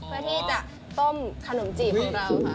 เพื่อที่จะต้มขนมจีบของเราค่ะ